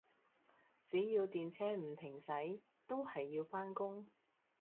只要電車唔停駛，都係要返工